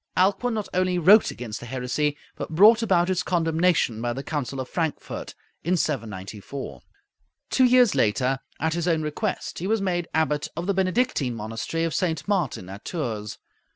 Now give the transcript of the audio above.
Alcuin not only wrote against the heresy, but brought about its condemnation by the Council of Frankfort, in 794. Two years later, at his own request, he was made Abbot of the Benedictine monastery of St. Martin, at Tours.